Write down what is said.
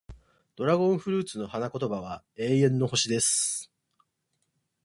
ドラゴンフルーツの花言葉は、永遠の星、です。